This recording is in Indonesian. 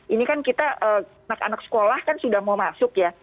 ini kan kita anak anak sekolah kan sudah mau masuk ya